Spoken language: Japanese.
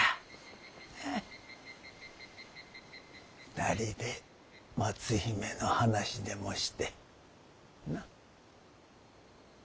２人で松姫の話でもしてな。